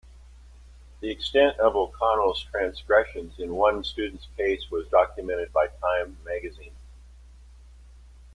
The extent of O'Connell's transgressions in one student's case was documented by "Time" magazine.